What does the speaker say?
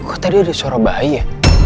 loh kok tadi ada suara bayi ya